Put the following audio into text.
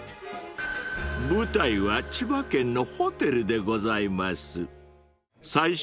舞台は千葉県のホテルでございます